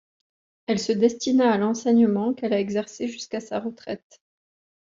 Elle se destina à l’enseignement qu’elle a exercé jusqu’à sa retraite.